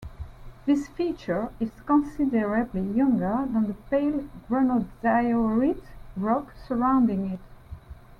This feature is considerably younger than the pale granodiorite rock surrounding it.